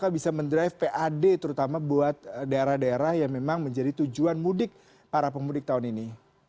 bisa mendrive pad terutama buat daerah daerah yang memang menjadi tujuan mudik para pemudik tahun ini